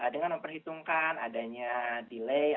dengan memperhitungkan adanya delay